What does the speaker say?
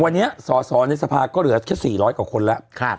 วันนี้สอสอในสภาก็เหลือแค่๔๐๐กว่าคนแล้ว